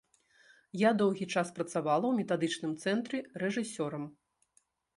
Я доўгі час працавала ў метадычным цэнтры рэжысёрам.